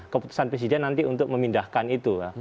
keputusan presiden nanti untuk memindahkan itu